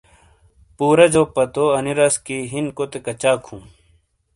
پُورا جو پتو انی رس کہ ہِین کوتے کچاک ہوں ؟